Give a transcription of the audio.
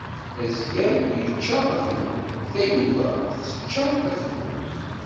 Azger ičča atemmu, tayuga tečča atemmu.